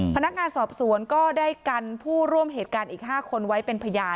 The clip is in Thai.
พนักงานสอบสวนก็ได้กันผู้ร่วมเหตุการณ์อีก๕คนไว้เป็นพยาน